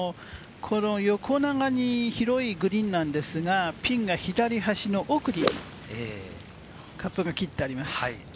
横長に広いグリーンなんですが、ピンが左端の奥にカップが切ってあります。